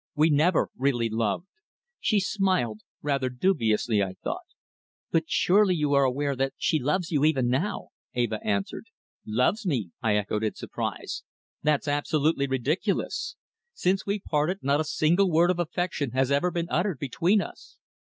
We never really loved." She smiled, rather dubiously I thought. "But surely you are aware that she loves you even now," Eva answered. "Loves me!" I echoed in surprise. "That's absolutely ridiculous. Since we parted not a single word of affection has ever been uttered between us."